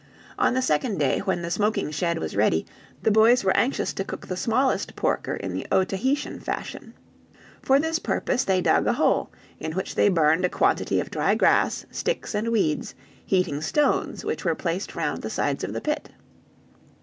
On the second day, when the smoking shed was ready, the boys were anxious to cook the smallest porker in the Otaheitian fashion. For this purpose they dug a hole, in which they burned a quantity of dry grass, sticks, and weeds, heating stones, which were placed round the sides of the pit.